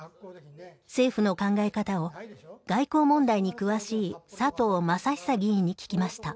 政府の考え方を外交問題に詳しい佐藤正久議員に聞きました。